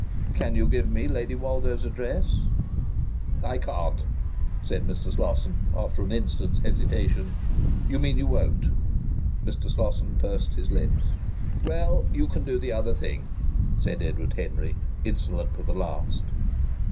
"Can you give me Lady Woldo's address?" "I can't," said Mr. Slosson, after an instant's hesitation. "You mean you won't!" Mr. Slosson pursed his lips. "Well, you can do the other thing!" said Edward Henry, insolent to the last.